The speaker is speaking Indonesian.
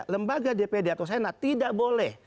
lembaga dpd atau senat tidak boleh